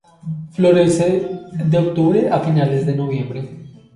Florece de octubre a fines de noviembre.